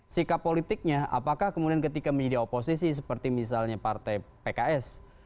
sikap politiknya ketika menjadi oposisi seperti misalnya partai pks